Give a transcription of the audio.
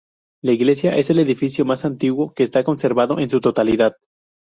La iglesia es el edificio más antiguo que está conservado en su totalidad.